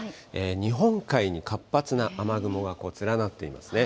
日本海に活発な雨雲が連なっていますね。